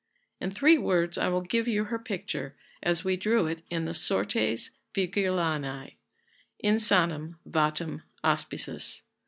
In three words I will give you her picture as we drew it in the 'Sortes Virgilianae' 'Insanam vatem aspicies.